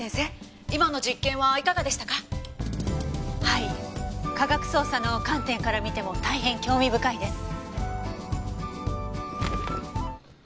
はい科学捜査の観点から見ても大変興味深いです。